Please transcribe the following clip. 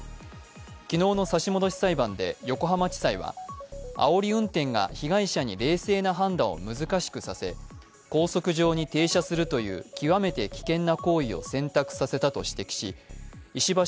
昨日の差し戻し裁判で横浜地裁はあおり運転が被害者に冷静な判断を難しくさせ高速上に停車するという極めて危険な行為を選択させたと指摘し石橋